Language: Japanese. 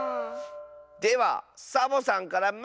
ではサボさんからまいれ！